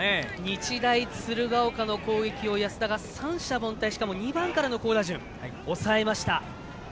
日大鶴ヶ丘の攻撃を安田が三者凡退２番からの好打順を抑えました。